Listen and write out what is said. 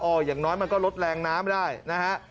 อย่างน้อยมันก็ลดแรงน้ำได้นะฮะ